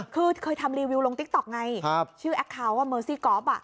คือเคยทำรีวิวลงติ๊กต๊อกไงชื่อแอคเคาน์เมอร์ซี่กอล์ฟ